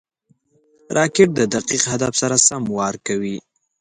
راکټ د دقیق هدف سره سم وار کوي